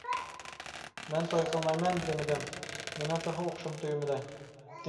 -مەن توي قىلمايمەن دېمىدىم، مېنىڭ تېخى ئوقۇشۇم تۈگىمىدى.